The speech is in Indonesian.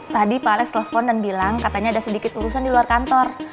tadi pak alex telepon dan bilang katanya ada sedikit urusan di luar kantor